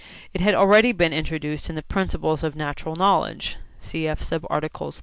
It had already been introduced in the Principles of Natural Knowledge (cf. subarticles 3.